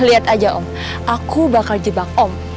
lihat aja om aku bakal jebak om